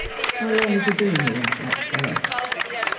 " How long has he been here, that fellow